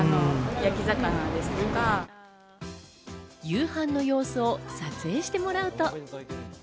夕飯の様子を撮影してもらうと。